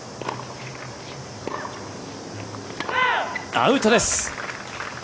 アウトです！